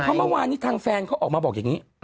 เพราะเมื่อวานนี้ทางแฟนเขาออกมาบอกอย่างนี้